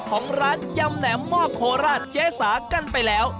ของร้านยำแหนมหม้อโคราชเจ๊สากันไปแล้ว